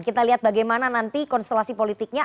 kita lihat bagaimana nanti konstelasi politiknya